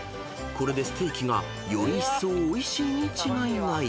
［これでステーキがよりいっそうおいしいに違いない］